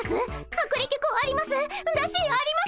薄力粉あります？